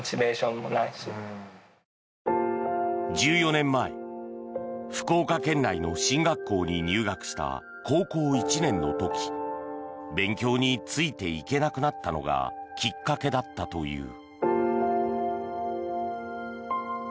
１４年前福岡県内の進学校に入学した高校１年の時勉強についていけなくなったのがきっかけだったという。